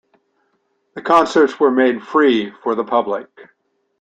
The concerts were made free for the public.